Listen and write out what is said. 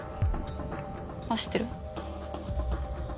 走ってる。